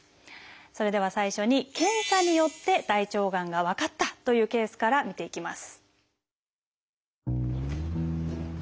それでは最初に検査によって大腸がんが分かったというケースから見ていきます。